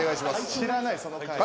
知らないその会。